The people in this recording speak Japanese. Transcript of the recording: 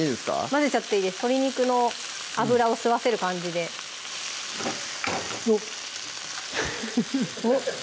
混ぜちゃっていいです鶏肉の脂を吸わせる感じでおっおっ